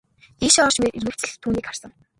Ийшээ орж ирмэгц л түүнийг харсан.